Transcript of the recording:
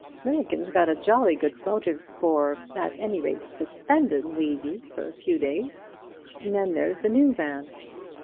Milligan's got a jolly good motive for, at any rate, suspendin' Levy for a few days. Then there's the new man."